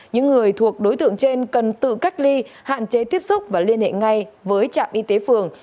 những người thuộc đối tượng trên cần tự cách ly hạn chế tiếp xúc và liên hệ ngay với trạm y tế phường